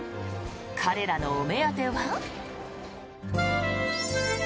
彼らのお目当ては。